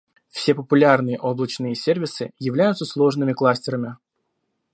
Все популярные облачные сервисы являются сложными кластерами.